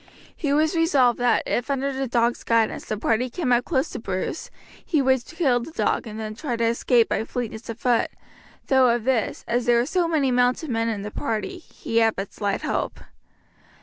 He was resolved that if under the dog's guidance the party came close up with Bruce, he would kill the dog and then try to escape by fleetness of foot, though of this, as there were so many mounted men in the party, he had but slight hope.